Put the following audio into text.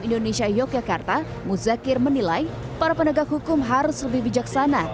indonesia yogyakarta muzakir menilai para penegak hukum harus lebih bijaksana